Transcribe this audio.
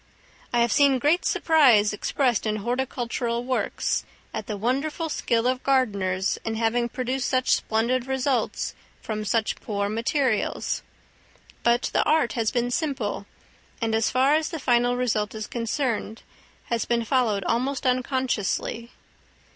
I have seen great surprise expressed in horticultural works at the wonderful skill of gardeners in having produced such splendid results from such poor materials; but the art has been simple, and, as far as the final result is concerned, has been followed almost unconsciously.